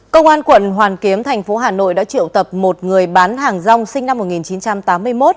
công an quận hoàn kiếm thành phố hà nội đã triệu tập một người bán hàng rong sinh năm một nghìn chín trăm tám mươi một